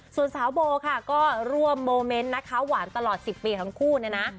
ส่วนสาวโบค่ะก็ร่วมโมเมนต์นะคะหวานตลอด๑๐ปีทั้งคู่เนี่ยนะ